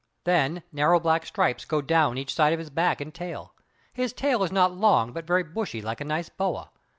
Then, narrow black stripes go down each side of his back and tail. His tail is not long, but very bushy like a nice boa.